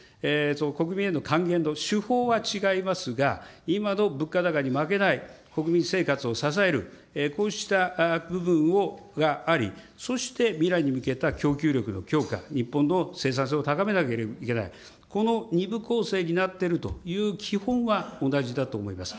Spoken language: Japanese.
国民への還元の手法は違いますが、今の物価高に負けない国民生活を支える、こうした部分があり、そして未来に向けた供給力の強化、日本のを高めなければいけない、この２部構成になっていると、同じだと思います。